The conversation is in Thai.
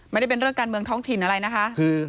ไม่ได้เป็นเรื่องการเมืองท้องถิ่นอะไรนะคะ